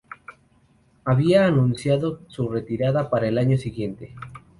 Había anunciado su retirada para el año siguiente.